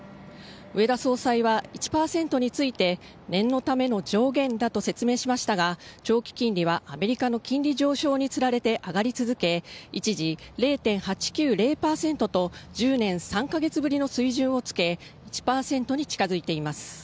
植田総裁は１％について念のための上限だと説明しましたが、長期金利はアメリカの金利上昇につられて上がり続け、一時０．８９０％と、１０年３か月ぶりの水準をつけ、１％に近づいています。